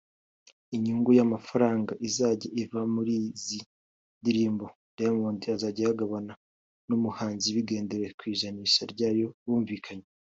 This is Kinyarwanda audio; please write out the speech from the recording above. Inyungu y’amafaranga izajya iva muri izi ndirimbo Diamond azajya ayagabana n’umuhanzi hagendewe ku ijanisha ryayo bumvikanye